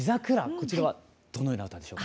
こちらはどのような歌でしょうか？